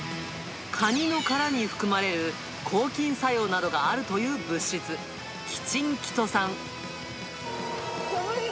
カニの殻に含まれる抗菌作用などがあるという物質、キチン・キトサン。